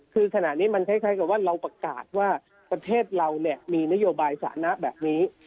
คือขณะนี้มันคล้ายกับว่าเราประกาศว่าประเทศเรามีนโยบายสานะแบบนี้